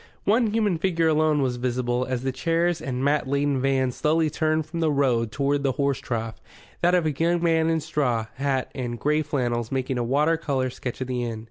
One human figure alone was visible, as the chairs and mat laden van slowly turned from the road toward the horse trough that of a young man in straw hat and grey flannels making a water colour sketch of the inn.